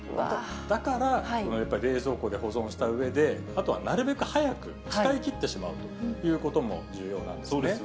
だから、冷蔵庫で保存したうえで、あとはなるべく早く使いきってしまうということも重要なんですね。